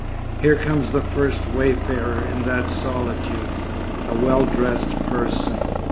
Here comes the first wayfarer in that solitude, a well dressed person.